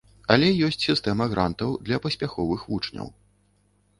Але ёсць сістэма грантаў для паспяховых вучняў.